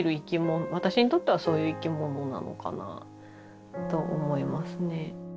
私にとってはそういう生き物なのかなと思いますね。